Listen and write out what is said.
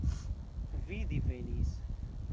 Vi divenis.